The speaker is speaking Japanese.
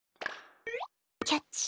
キャッチ。